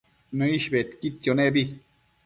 Nëish bedquidquio nebi